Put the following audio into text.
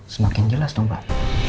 semakin jelas dong pak